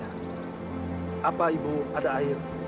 apa ibu ada air